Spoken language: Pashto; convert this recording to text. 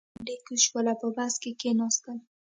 دواړه له برنډې کوز شول او په بس کې کېناستل